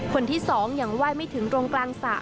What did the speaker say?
คนที่๒ยังไหว้ไม่ถึงตรงกลางสระ